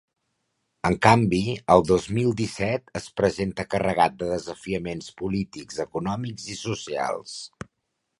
En canvi, el dos mil disset es presenta carregat de desafiaments polítics, econòmics i socials.